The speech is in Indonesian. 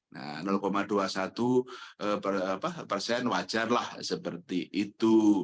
nah dua puluh satu persen wajarlah seperti itu